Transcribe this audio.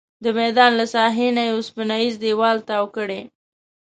د میدان له ساحې نه یې اوسپنیز دیوال تاو کړی.